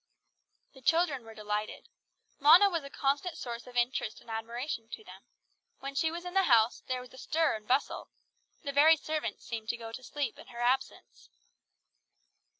The children were delighted. Mona was a constant source of interest and admiration to them. When she was in the house, there was a stir and bustle; the very servants seemed to go asleep in her absence.